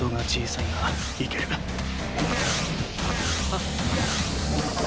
あっ。